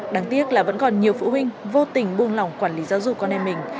đáng tiếc là vẫn còn nhiều phụ huynh vô tình buông lỏng quản lý giáo dục con em mình